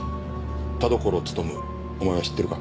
田所勉お前は知ってるか？